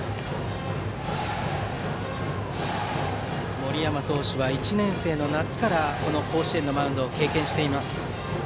森山投手は１年生の夏から甲子園のマウンドを経験しています。